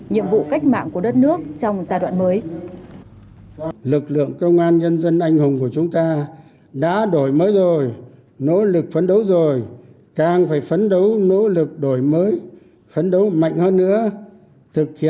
nhiệm vụ cách mạng của đất nước trong giai đoạn mới